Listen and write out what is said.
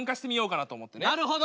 なるほど。